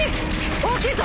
大きいぞ。